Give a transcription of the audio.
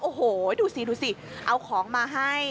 โอ้โหดูสิดูสิเอาของมาให้